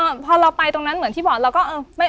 ก็พอเราไปตรงนั้นเหมือนที่อย่างที่บอกเราก็เอา